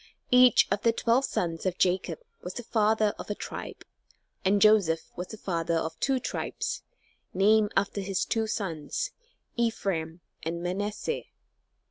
Each of the twelve sons of Jacob was the father of a tribe, and Joseph was the father of two tribes, named after his two sons, Ephraim and Manasseh.